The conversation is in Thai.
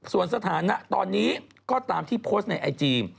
ส่วนสถานะตอนนี้ก็ตามที่โพสต์ในไอจี